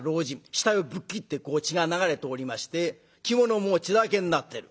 額をぶっ切って血が流れておりまして着物も血だらけになってる。